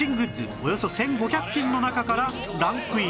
およそ１５００品の中からランクイン